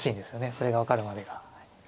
それが分かるまでが。